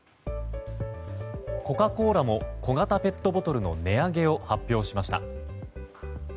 コカ・コーラも小型ペットボトルの値上げを発表しました。